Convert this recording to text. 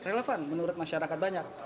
relevan menurut masyarakat banyak